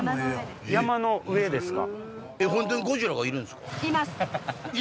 山の上ですか。